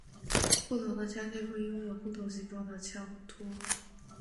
不同的枪械会拥有不同形状的枪托。